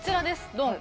ドン。